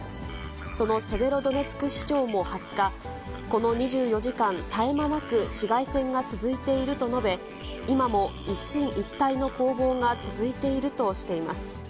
そのセベロドネツク市長も２０日、この２４時間、絶え間なく市街戦が続いていると述べ、今も一進一退の攻防が続いているとしています。